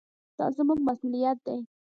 دا زموږ مسوولیت دی.